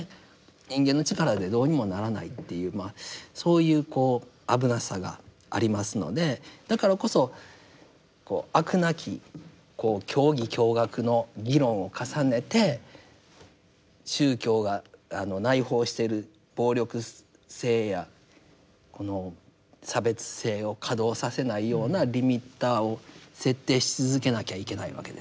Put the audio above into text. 人間の力でどうにもならないっていうそういう危なさがありますのでだからこそこう飽くなきこう教義教学の議論を重ねて宗教が内包している暴力性やこの差別性を稼働させないようなリミッターを設定し続けなきゃいけないわけですね。